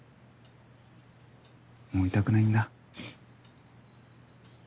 もう痛くないんだ。